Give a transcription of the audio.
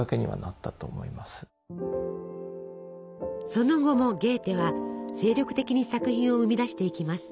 その後もゲーテは精力的に作品を生み出していきます。